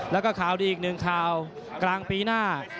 แล้วก็ข่าวดีอีกหนึ่งข่าวกลางปีหน้า